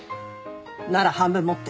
なら半分持って。